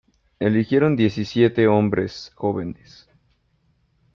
Eligieron diecisiete hombre jóvenes.